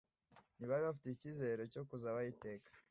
Ntibari bafite icyizere cyokuzabaho iteka